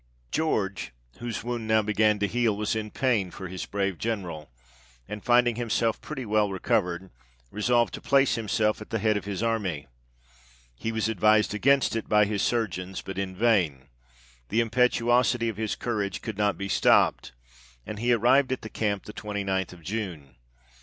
George, whose wound now began to heal, was in pain for his brave General, and finding himself pretty well recovered, resolved to place himself at the head of his army. He was advised against it by his surgeons, but in vain : the impetuosity of his courage, could not be 56 THE REIGN OF GEORGE VI. stopped ; and he arrived at the camp the 2Qth of June.